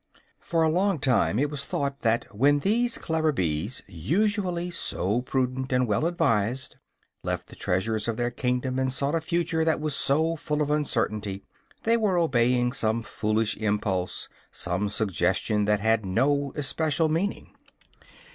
For a long time it was thought that when these clever bees, usually so prudent and well advised, left the treasures of their kingdom and sought a future that was so full of uncertainty, they were obeying some foolish impulse, some suggestion that had no especial meaning.